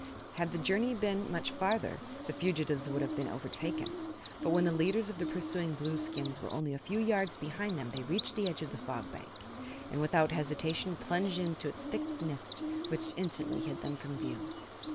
Had the journey been much farther the fugitives would have been overtaken, but when the leaders of the pursuing Blueskins were only a few yards behind them they reached the edge of the Fog Bank and without hesitation plunged into its thick mist, which instantly hid them from view.